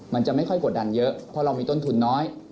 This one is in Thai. มันจะไม่ค่อยกดดันเยอะเพราะเรามีต้นทุนน้อย